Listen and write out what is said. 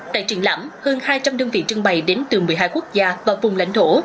tại triển lãm hơn hai trăm linh đơn vị trưng bày đến từ một mươi hai quốc gia và vùng lãnh thổ